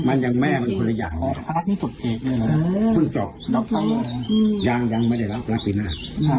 มันยังแม่มันคนละอย่างเพราะรักที่สุดเจกเลยนะเพิ่งจบยังไม่ได้รับรักษีหน้า